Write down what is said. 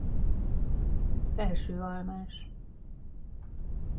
Felső Almás.